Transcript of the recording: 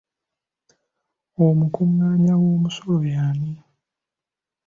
Omukungaanya w'omusolo y'ani?